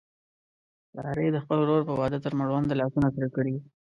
سارې د خپل ورور په واده تر مړونده لاسونه سره کړي و.